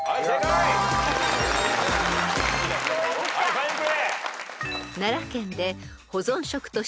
ファインプレー。